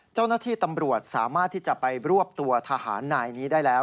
เจ้าหน้าที่ตำรวจสามารถที่จะไปรวบตัวทหารนายนี้ได้แล้ว